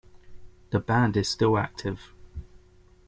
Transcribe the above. The band is still active.